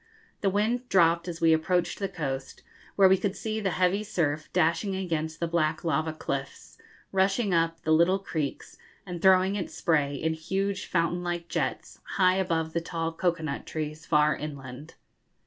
The wind dropped as we approached the coast, where we could see the heavy surf dashing against the black lava cliffs, rushing up the little creeks, and throwing its spray in huge fountain like jets high above the tall cocoa nut trees far inland.